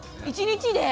１日で？